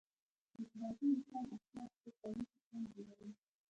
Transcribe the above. د پوهنتون مشران اکثرا خپل قومي کسان ګماري